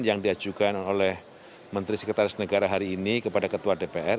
yang diajukan oleh menteri sekretaris negara hari ini kepada ketua dpr